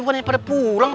bukan ini pada pulang